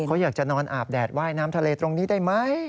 เขาอยากจะนอนอาบแดดว่ายน้ำทะเลตรงนี้ได้ไหม